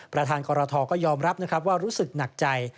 ประธานกรทก็ยอมรับนะครับว่ารู้สึกหนักใจ